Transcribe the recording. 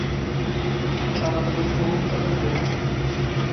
তারা তাদের সবুজ চাদর পরেছে।